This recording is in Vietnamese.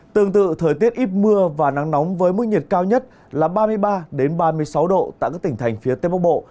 tương tự thời tiết ít mưa và nắng nóng với mức nhiệt cao nhất là ba mươi ba ba mươi sáu độ tại các tỉnh thành phía tây bắc bộ